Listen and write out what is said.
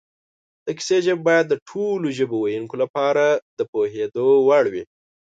د کیسې ژبه باید د ټولو ژبې ویونکو لپاره د پوهېدو وړ وي